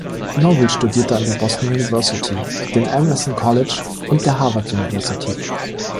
Noble studierte an der Boston University, dem Emerson College und der Harvard University.